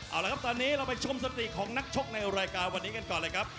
เอาละครับตอนนี้เราไปชมสติของนักชกในรายการวันนี้กันก่อนเลยครับ